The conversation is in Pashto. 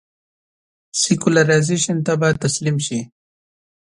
سیکولرایزېشن ته به تسلیم شي.